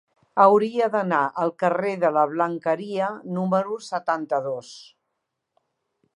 Hauria d'anar al carrer de la Blanqueria número setanta-dos.